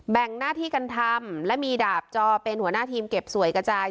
งหน้าที่กันทำและมีดาบจอเป็นหัวหน้าทีมเก็บสวยกระจาย